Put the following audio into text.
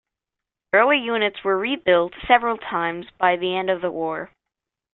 Early units were re-built several times by the end of the war.